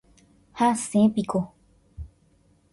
hasẽpiko